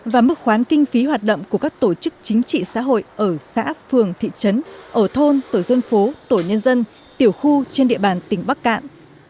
và mức khoán kinh phí hoạt động của các tổ chức chính trị xã hội ở xã phường thị trấn ở thôn tổ dân phố tổ nhân dân tiểu khu trên địa bàn tỉnh bắc cạn